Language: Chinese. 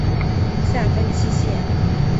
下分七县。